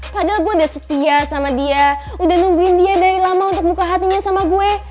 padahal gue udah setia sama dia udah nungguin dia dari lama untuk buka hatinya sama gue